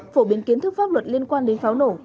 phổ biến kiến thức pháp luật liên quan đến pháo nổ